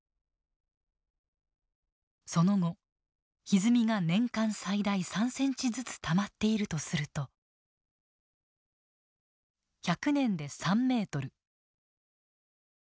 その後ひずみが年間最大３センチずつたまっているとすると１００年で３メートル。